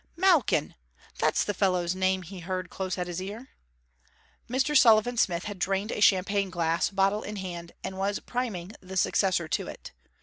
'Malkin! that's the fellow's name' he heard close at his ear. Mr. Sullivan Smith had drained a champagne glass, bottle in hand, and was priming the successor to it.